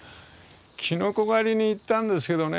狩りに行ったんですけどね